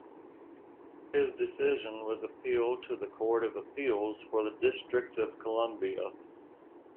His decision was appealed to the Court of Appeals for the District of Columbia.